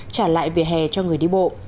trả lại về hè cho người đi bộ